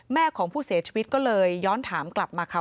แม่ของผู้เสียชีวิตก็เลยย้อนถามกลับมาค่ะ